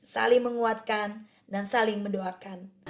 saling menguatkan dan saling mendoakan